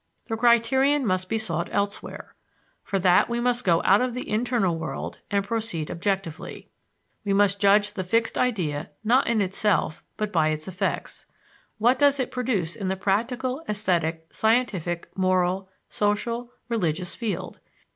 The criterion must be sought elsewhere. For that we must go out of the internal world and proceed objectively. We must judge the fixed idea not in itself but by its effects. What does it produce in the practical, esthetic, scientific, moral, social, religious field?